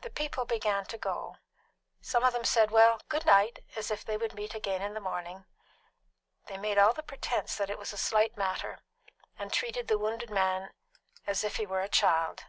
The people began to go; some of them said, "Well, good night!" as if they would meet again in the morning. They all made the pretence that it was a slight matter, and treated the wounded man as if he were a child.